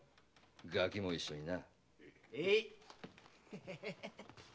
ガキも一緒にな。